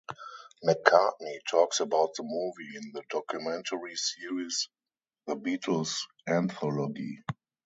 McCartney talks about the movie in the documentary series "The Beatles Anthology".